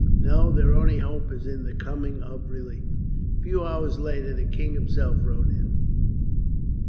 "No, their only hope is in the coming of relief." A few hours later, the king himself rode in.